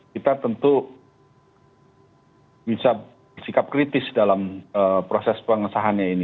kita tentu bisa bersikap kritis dalam proses pengesahannya ini